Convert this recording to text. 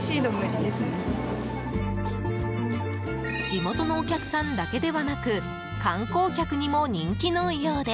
地元のお客さんだけではなく観光客にも人気のようで。